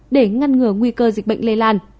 để ngăn ngừa nguy cơ dịch bệnh lây lan